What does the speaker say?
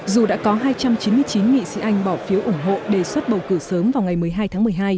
dù đã có hai trăm chín mươi chín nghị sĩ anh bỏ phiếu ủng hộ đề xuất bầu cử sớm vào ngày một mươi hai tháng một mươi hai